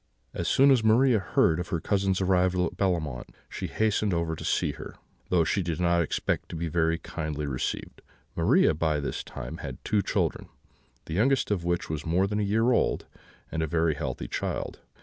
"As soon as Maria heard of her cousin's arrival at Bellemont she hastened over to see her, though she did not expect to be very kindly received. Maria, by this time, had two children, the youngest of which was more than a year old, and a very healthy child.